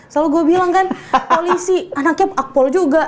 selalu gue bilang kan polisi anaknya akpol juga